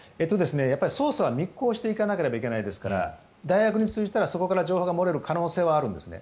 捜査は密行していかなければいけないですから大学側に通じたらそこから情報が漏れる可能性はあるんですね。